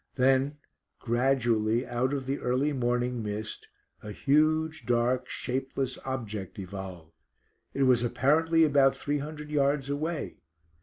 Then, gradually out of the early morning mist a huge, dark, shapeless object evolved. It was apparently about three hundred yards away.